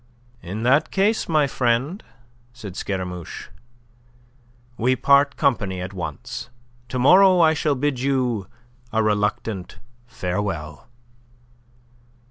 "In that case, my friend," said Scaramouche, "we part company at once. To morrow I shall bid you a reluctant farewell."